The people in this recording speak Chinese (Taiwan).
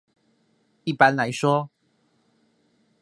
一般來說